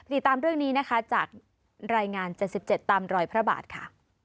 ติดตามเรื่องนี้นะคะจากรายงาน๗๗ตามรอยพระบาทค่ะ